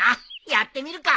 やってみるか。